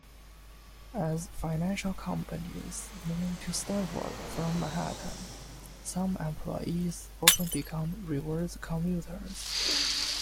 As financial companies move to Stamford from Manhattan, some employees often become reverse commuters.